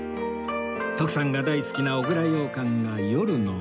徳さんが大好きな小倉羊羹が夜の梅